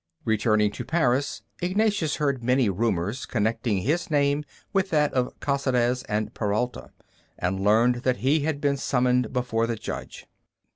Returning to Paris Ignatius heard many rumors connecting his name with that of Caceres and Peralta, and learned that he had been summoned before the judge.